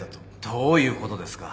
どういうことですか？